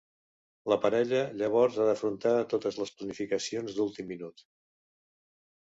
La parella llavors ha d'afrontar totes les planificacions d'últim minut.